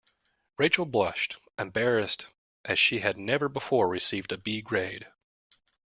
Rachel blushed, embarrassed, as she had never before received a B grade.